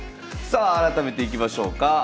さあ改めていきましょうか。